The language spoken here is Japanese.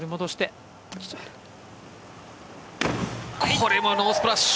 これもノースプラッシュ。